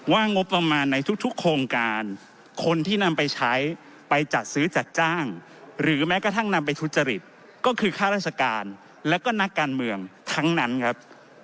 งบประมาณในทุกโครงการคนที่นำไปใช้ไปจัดซื้อจัดจ้างหรือแม้กระทั่งนำไปทุจริตก็คือค่าราชการแล้วก็นักการเมืองทั้งนั้นครับ